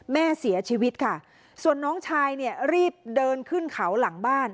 แม่เสียชีวิตค่ะส่วนน้องชายเนี่ยรีบเดินขึ้นเขาหลังบ้าน